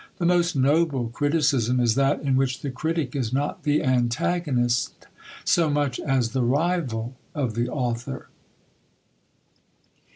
The most noble criticism is that in which the critic is not the antagonist so much as the rival of the author.